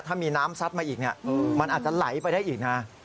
ถ้ามีน้ำซัดมาอีกมันอาจจะไหลไปได้อีกนะ